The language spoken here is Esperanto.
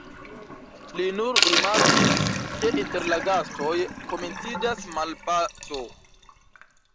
Li nur rimarkis, ke inter la gastoj komenciĝas malpaco.